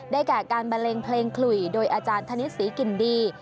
แก่การบันเลงเพลงขลุยโดยอาจารย์ธนิษฐศรีกินดี